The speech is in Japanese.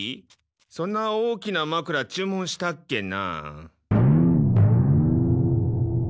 そんな大きなマクラ注文したっけな？